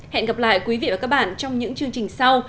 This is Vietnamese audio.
hẹn gặp lại quý vị và các bạn trong những chương trình sau